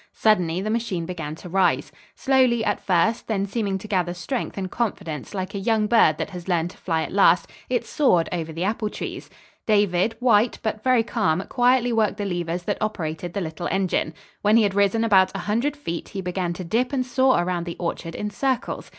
Suddenly the machine began to rise. Slowly, at first, then seeming to gather strength and confidence like a young bird that has learned to fly at last, it soared over the apple trees. David, white, but very calm, quietly worked the levers that operated the little engine. When he had risen about a hundred feet, he began to dip and soar around the orchard in circles.